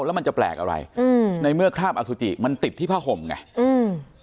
แล้วมันจะแปลกอะไรอืมในเมื่อคราบอสุจิมันติดที่ผ้าห่มไงอืม